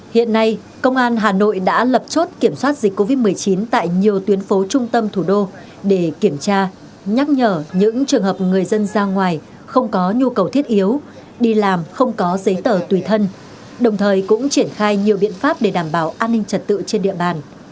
hiện nay công an hà nội đã lập chốt kiểm soát dịch covid một mươi chín tại nhiều tuyến phố trung tâm thủ đô để kiểm tra nhắc nhở những trường hợp người dân ra ngoài không có nhu cầu thiết yếu đi làm không có giấy tờ tùy thân đồng thời cũng triển khai nhiều biện pháp để đảm bảo an ninh trật tự trên địa bàn